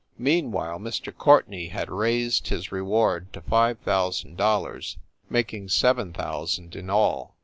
Meanwhile, Mr. Courtenay had raised his reward to five thousand dollars, making seven thousand in all.